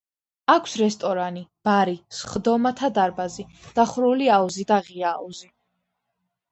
აქვს რესტორანი, ბარი, სხდომათა დარბაზი, დახურული აუზი და ღია აუზი.